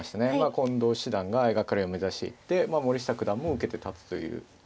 近藤七段が相掛かりを目指して森下九段も受けて立つということですけど。